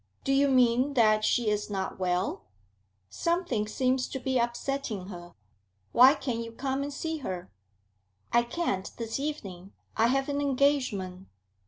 'Do you mean that she is not well?' 'Something seems to be upsetting her. Why can't you come and see her?' 'I can't this evening. I have an engagement.'